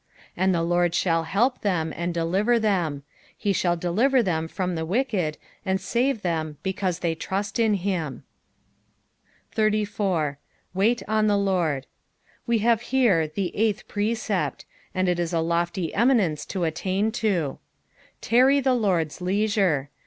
40 And the LORD shall help them, and deliver them : he shall de liver them from the wicked, and save them, because they trust in him. 84. "Wait onthaXord." We have here tha niyhth pr»pi.pt unil it is a lofty eminence to attain to. Tarry the Lord's leisure.